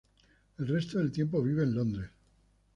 El resto del tiempo vive en Londres.